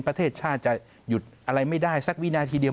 ประเทศชาติจะหยุดอะไรไม่ได้สักวินาทีเดียว